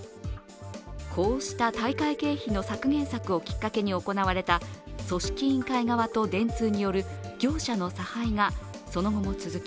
こうした大会経費の削減策をきっかけに行われた組織委員会側と電通による業者の差配がその後も続き